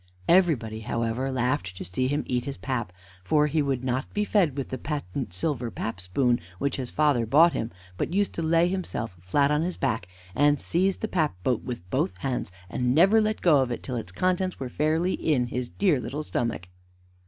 Everybody, however, laughed to see him eat his pap, for he would not be fed with the patent silver pap spoon which his father bought him, but used to lay himself flat on his back, and seize the pap boat with both hands, and never let go of it till its contents were fairly in his dear little stomach.